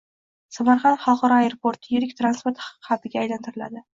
Samarqand xalqaro aeroporti yirik transport xabiga aylantiriladi.